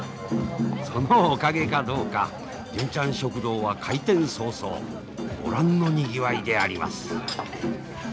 そのおかげかどうか純ちゃん食堂は開店早々ご覧のにぎわいであります。